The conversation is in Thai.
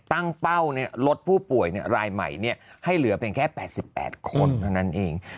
ตั้งเป้าลดผู้ป่วยรายใหม่ให้เหลือเพียงแค่๘๘คนเท่านั้นเอง